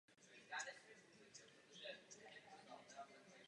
Nejdříve ke změně klimatu a energetickému balíčku.